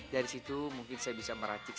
dari situ mungkin saya bisa meracik